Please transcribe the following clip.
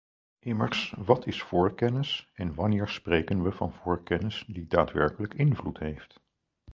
Immers wat is voorkennis en wanneer spreken we van voorkennis die daadwerkelijk invloed heeft?